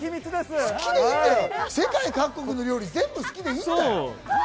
世界各国の料理、全部好きでいいんだよ。